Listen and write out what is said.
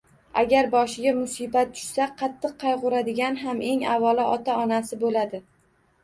Agar boshiga musibat tushsa, qattiq qayg‘uradigan ham eng avvalo ota-onasi bo‘ladi.